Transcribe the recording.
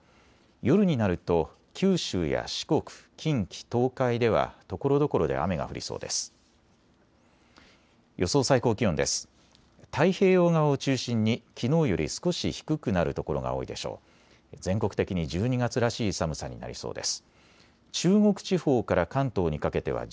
夜になると九州や四国、近畿、東海ではところどころで雨が降りそうです。